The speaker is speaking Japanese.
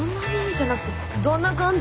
じゃなくて「どんな感じ？」